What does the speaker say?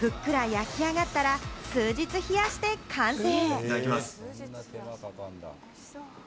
ふっくら焼き上がったら、数日、冷やして完成！